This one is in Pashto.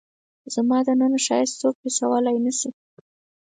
زما دننه ښایست څوک حسولای نه شي